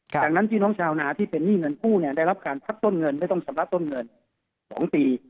จากนั้นพี่น้องชาวนาที่เป็นหนี้เงินกู้ได้รับการทับต้นเงินไม่ต้องชำระต้นเงิน๒ปี